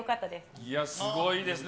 いや、すごいですね。